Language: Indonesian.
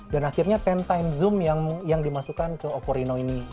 dan akhirnya sepuluh x zoom yang dimasukkan ke oppo reno ini